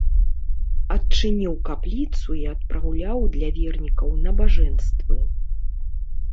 Адчыніў капліцу і адпраўляў для вернікаў набажэнствы.